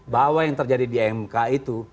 bahwa yang terjadi di mk itu